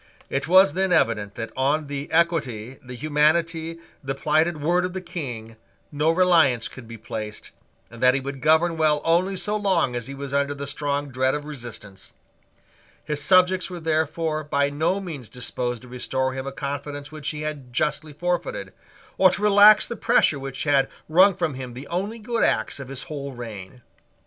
It was then evident that on the equity, the humanity, the plighted word of the King, no reliance could be placed, and that he would govern well only so long as he was under the strong dread of resistance. His subjects were therefore by no means disposed to restore to him a confidence which he had justly forfeited, or to relax the pressure which had wrung from him the only good acts of his whole reign.